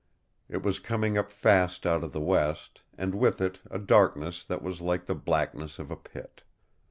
It was coming up fast out of the west, and with it a darkness that was like the blackness of a pit.